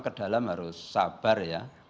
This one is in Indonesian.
ke dalam harus sabar ya